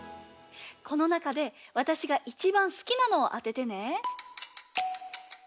このなかでわたしがいちばんすきなのをあててね。